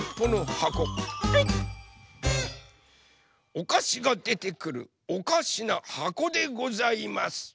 おかしがでてくるおかしなはこでございます。